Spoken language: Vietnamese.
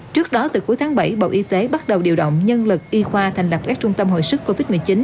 trước đó từ cuối tháng bảy bộ y tế bắt đầu điều động nhân lực y khoa thành lập các trung tâm hồi sức covid một mươi chín